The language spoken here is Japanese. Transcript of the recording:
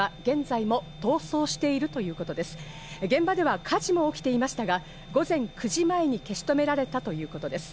現場では火事も起きていましたが、午前９時前に消し止められたということです。